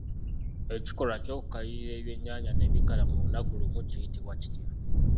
Ekikolwa ky'okukkalirira ebyennyanja ne bikala mu lunaku lumu kiyitibwa kitya?